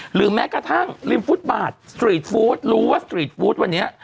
หรือแม้กระทั่งริมฟุตบาทสตรีทฟู้ดรู้ว่าสตรีทฟู้ดวันนี้